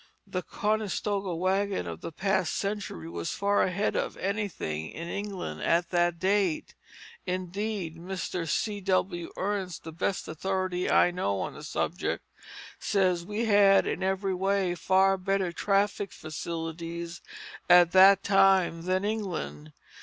The Conestoga wagon of the past century was far ahead of anything in England at that date; indeed Mr. C. W. Ernst, the best authority I know on the subject, says we had in every way far better traffic facilities at that time than England.